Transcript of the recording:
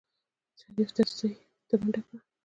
شريف دريڅې ته منډه کړه.